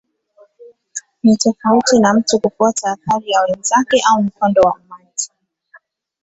Ni tofauti na mtu kufuata athari ya wenzake au mkondo wa umati.